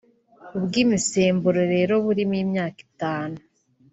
ubw’imisemburo rero burimo ubw’imyaka itanu